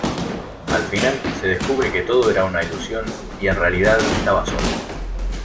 Al final, se descubre que todo era una ilusión, y en realidad estaba sola.